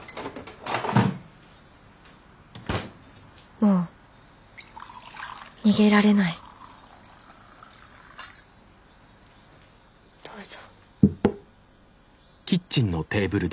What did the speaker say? もう逃げられないどうぞ。